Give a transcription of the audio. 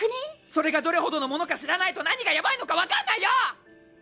それがどれほどのものか知らないと何がヤバいのか分かんないよ！